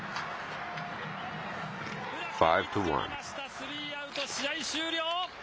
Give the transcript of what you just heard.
スリーアウト、試合終了。